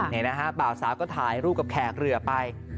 นี่นะฮะบ่าวสาวก็ถ่ายรูปกับแขกเรือไป